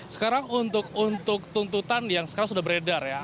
sekarang untuk tuntutan yang sekarang sudah beredar ya